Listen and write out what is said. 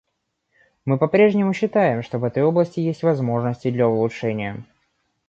Мы попрежнему считаем, что в этой области есть возможности для улучшения.